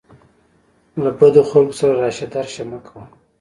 له بدو خلکو سره راشه درشه مه کوه.